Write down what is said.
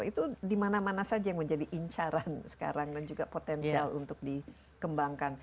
itu dimana mana saja yang menjadi incaran sekarang dan juga potensial untuk dikembangkan